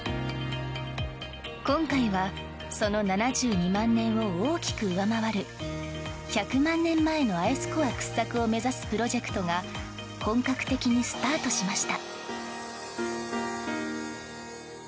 今回はその７２万年を大きく上回る１００万年前のアイスコア掘削を目指すプロジェクトが本格的にスタートしました。